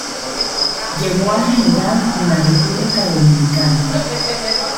llegó a general en la República Dominicana.